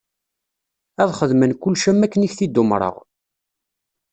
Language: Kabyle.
Ad xedmen kullec am wakken i k-t-id-umṛeɣ.